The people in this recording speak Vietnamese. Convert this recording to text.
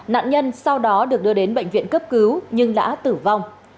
nạn nhân sau đó được đưa đến bệnh viện cấp cứu nhưng đã tử vong